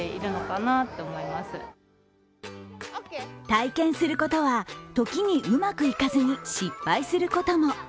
体験することは時にうまくいかずに失敗することも。